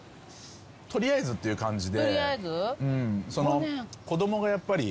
取りあえずっていう感じで。